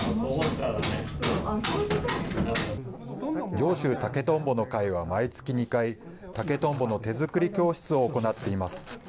上州竹とんぼの会は毎月２回、竹とんぼの手作り教室を行っています。